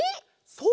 そう！